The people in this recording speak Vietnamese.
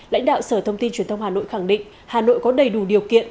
lãnh đạo sở thông tin truyền thông hà nội khẳng định hà nội có đầy đủ điều kiện